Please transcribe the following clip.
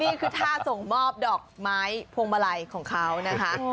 นี่คือท่าส่งมอบดอกไม้พวงมาลัยของเขานะคะ